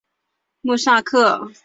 穆萨克。